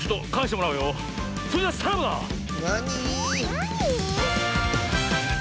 なに？